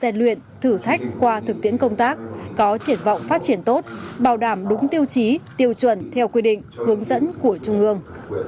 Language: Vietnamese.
gian luyện thử thách qua thực tiễn công tác có triển vọng phát triển tốt bảo đảm đúng tiêu chí tiêu chuẩn theo quy định hướng dẫn của trung ương